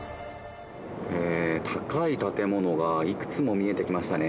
高い建物がいくつも見えてきましたね。